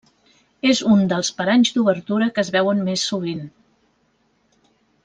És un dels paranys d'obertura que es veuen més sovint.